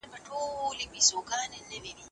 دوړي خومښ وريځ بران او نور د هوا سره اړه لري .